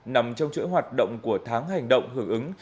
nằm trong chuỗi hoạt động của tháng hành động hưởng ứng